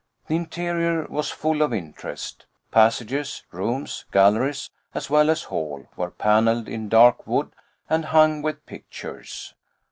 The interior was full of interest passages, rooms, galleries, as well as hall, were panelled in dark wood and hung with pictures.